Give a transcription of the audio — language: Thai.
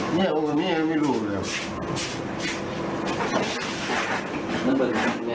เนี้ยโอเคเนี้ยไม่รู้เลย